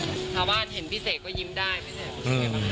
ถ้าว่าเห็นพี่เสกก็ยิ้มได้ไหม